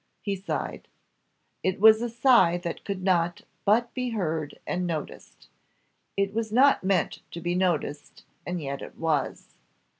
He sighed. It was a sigh that could not but be heard and noticed; it was not meant to be noticed, and yet it was.